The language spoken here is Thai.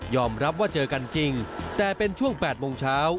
รับว่าเจอกันจริงแต่เป็นช่วง๘โมงเช้า